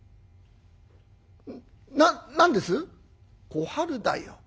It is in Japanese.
「小春だよ。